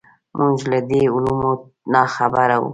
موږ له دې علومو ناخبره وو.